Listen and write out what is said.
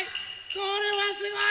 これはすごい！